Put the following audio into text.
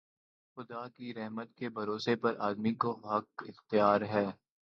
خدا کی رحمت کے بھروسے پر آدمی حق کو اختیار کرتا